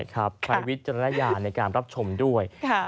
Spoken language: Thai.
ใช้วิจารณญาณในการรับชมด้วย